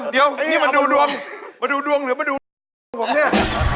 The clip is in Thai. เดี๋ยวนี่มาดูดวงมาดูดวงหรือมาดูดวงผมเนี่ย